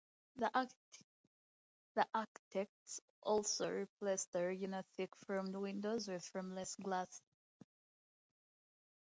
The architects also replaced the original thick framed windows with frameless glass.